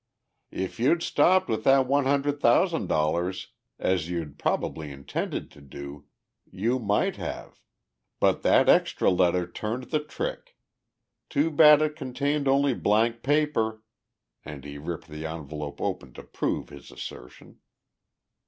"If you'd stopped with the one hundred thousand dollars, as you'd probably intended to do, you might have. But that extra letter turned the trick. Too bad it contained only blank paper" and he ripped the envelope open to prove his assertion.